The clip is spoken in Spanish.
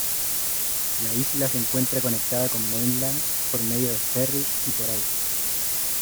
La isla se encuentra conectada con Mainland por medio de ferry y por aire.